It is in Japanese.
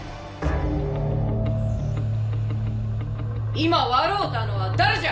今笑うたのは誰じゃ。